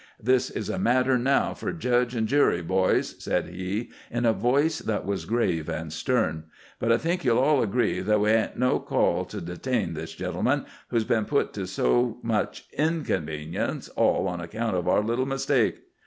"This is a matter now for jedge and jury, boys," said he in a voice that was grave and stern. "But I think you'll all agree that we hain't no call to detain this gentleman, who's been put to so much inconvenience all on account of our little mistake."